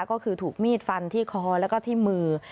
ก็คือมีดฟันที่คอและที่มือ